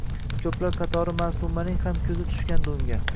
Koʼplar katori Maʼsumaning ham koʼzi tushgandi unga.